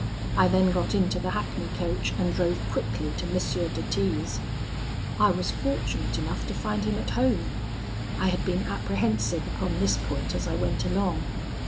I then got into the hackney coach, and drove quickly to M. de T 's. I was fortunate enough to find him at home. I had been apprehensive upon this point as I went along.